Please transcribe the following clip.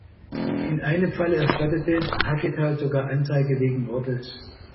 In einem Fall erstattete Hackethal sogar Anzeige wegen Mordes.